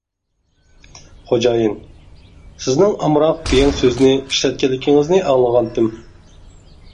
خوجايىن، سىزنىڭ «ئامراق» دېگەن سۆزنى ئىشلەتكەنلىكىڭىزنى ئاڭلىغانتىم.